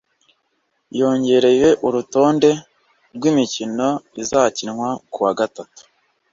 yongereye urutonde rw’ imikino izacyinwa kuwa gatatu